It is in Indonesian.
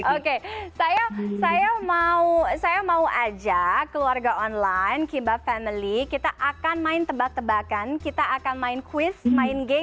oke saya mau ajak keluarga online kimbap family kita akan main tebak tebakan kita akan main quiz main games